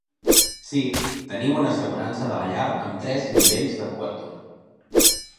Sí, tenim una assegurança de la llar amb tres nivells de cobertura.